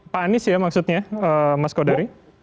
pak anies ya maksudnya mas kodari